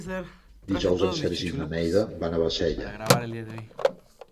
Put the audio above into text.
Dijous en Sergi i na Neida van a Bassella.